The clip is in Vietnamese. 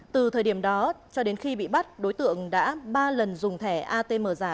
từ thời điểm đó cho đến khi bị bắt đối tượng đã ba lần dùng thẻ atm giả